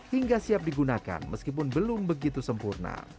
hingga siap digunakan meskipun belum begitu sempurna